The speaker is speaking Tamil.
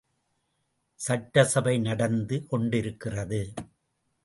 சட்டசபை நடந்து கொண்டிருக்கிறது.